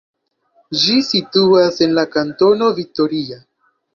Ĝi situas en la kantono Victoria.